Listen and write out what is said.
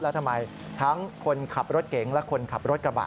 แล้วทำไมทั้งคนขับรถเก๋งและคนขับรถกระบะ